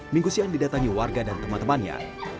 minggu siang didatangi warga dan teman temannya